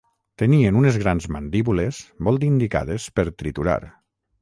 Tenien unes grans mandíbules molt indicades per triturar.